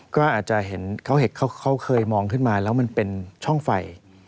ก็อาจจะเห็นเขาเคยมองขึ้นมาแล้วมันเป็นช่องไฟ